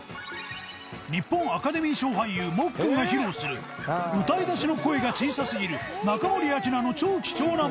日本アカデミー賞俳優もっくんが披露する歌い出しの声が小さすぎる中森明菜の超貴重なモノマネ。